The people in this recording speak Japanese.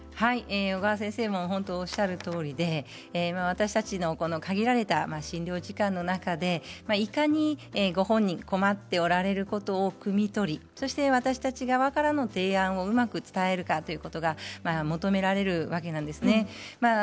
小川先生のおっしゃるとおりで私たちの限られた診療時間の中でいかにご本人困っておられることをくみ取り私たち側からの提案をうまく伝えられるかということが求められるわけなんですね。